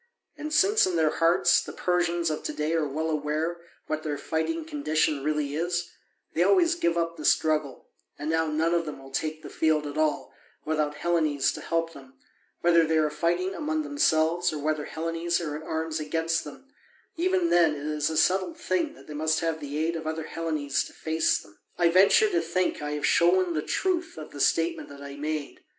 And since in their hearts the Persians of to day are well aware what their fighting condition really is, they always give up the struggle, and now none of them will take the field at all without Hellenes to help them, whether they are fighting among themselves or whether Hellenes are in arms against them: even then it is a settled thing that they must have the aid of other Hellenes to face them. I venture to think I have shown the truth of the statement that I made.